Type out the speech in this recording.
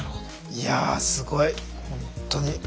いやすごいほんとに。